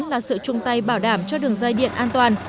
là sự chung tay bảo đảm cho đường dây điện an toàn